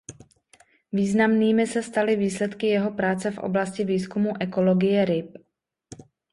Významnými se staly výsledky jeho práce v oblasti výzkumu ekologie ryb.